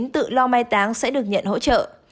tự lo mai táng sẽ được nhận hỗ trợ